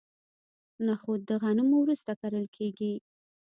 نخود د غنمو وروسته کرل کیږي.